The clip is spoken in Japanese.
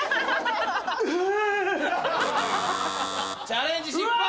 チャレンジ失敗！